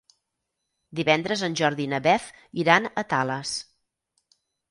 Divendres en Jordi i na Beth iran a Tales.